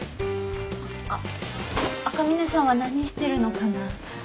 あっ赤嶺さんは何してるのかな？